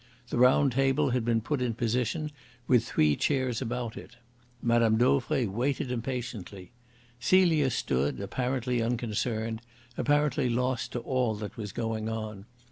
The round table had been put in position, with three chairs about it. Mme. Dauvray waited impatiently. Celia stood apparently unconcerned, apparently lost to all that was going on.